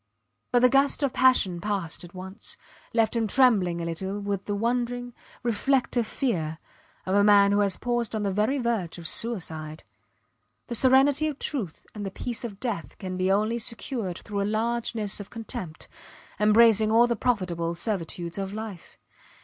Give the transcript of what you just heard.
But the gust of passion passed at once, left him trembling a little, with the wondering, reflective fear of a man who has paused on the very verge of suicide. The serenity of truth and the peace of death can be only secured through a largeness of contempt embracing all the profitable servitudes of life.